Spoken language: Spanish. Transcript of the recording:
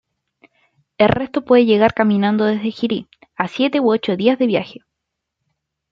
El resto puede llegar caminando desde Jiri, a siete u ocho días de viaje.